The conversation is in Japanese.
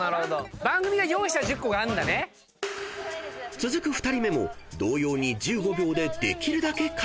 ［続く２人目も同様に１５秒でできるだけ解答］